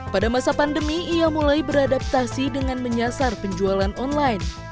pada masa pandemi ia mulai beradaptasi dengan menyasar penjualan online